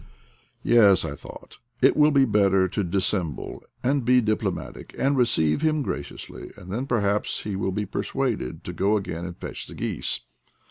Yes, I thought, it will be better to dissemble and be diplomatic and receive him gra ciously, and then perhaps he will be persuaded to go again and fetch the geese.